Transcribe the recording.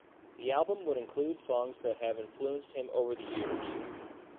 The album would include songs that have influenced him over the years.